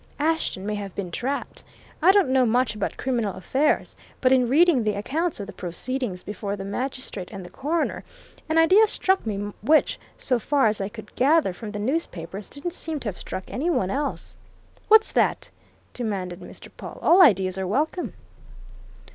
Ashton may have been trapped. I don't know much about criminal affairs, but in reading the accounts of the proceedings before the magistrate and the coroner, an idea struck me which, so far as I could gather from the newspapers, doesn't seem to have struck any one else." "What's that?" demanded Mr. Pawle. "All ideas are welcome."